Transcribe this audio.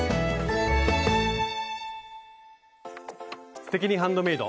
「すてきにハンドメイド」。